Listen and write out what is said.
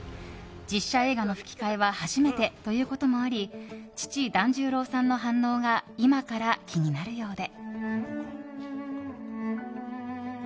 実写映画の吹き替えは初めてということもあり父・團十郎さんの反応が今から気になるようで。